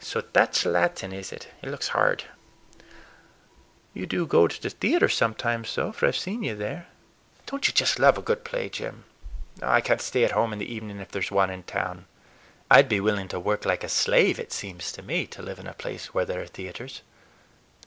"So that's Latin, is it? It looks hard. You do go to the theater sometimes, though, for I've seen you there. Don't you just love a good play, Jim? I can't stay at home in the evening if there's one in town. I'd be willing to work like a slave, it seems to me, to live in a place where there are theaters."